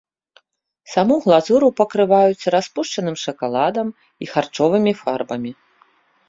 Саму глазуру пакрываюць распушчаным шакаладам і харчовымі фарбамі.